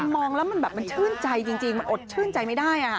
มองแล้วมันแบบมันชื่นใจจริงมันอดชื่นใจไม่ได้